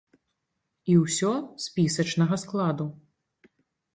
І ўсё спісачнага складу.